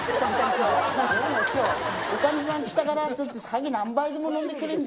おかみさん来たから、酒何杯でも飲んでくれんだ。